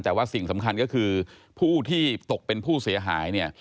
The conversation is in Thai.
แต่ว่าสิ่งสำคัญก็คือผู้ที่ตกเป็นผู้เสียหายเนี่ย